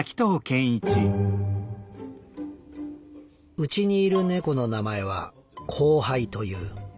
「うちにいる猫の名前はコウハイという。